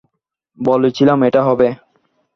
বলেছিলাম এটা হবে।